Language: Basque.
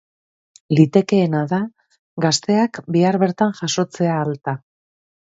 Litekeena da gazteak bihar bertan jasotzea alta.